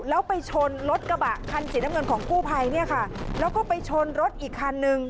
แล้วไปชนรถกระบะคันสีน้ำเงินของกู้ภัยเนี่ยค่ะแล้วก็ไปชนรถอีกคันนึง